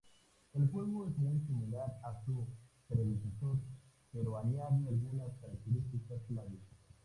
El juego es muy similar a su predecesor, pero añade algunas características clave.